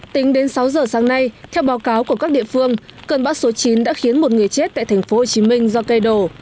tính đến sáu giờ sáng nay theo báo cáo của các địa phương cơn bão số chín đã khiến một người chết tại thành phố hồ chí minh do cây đồ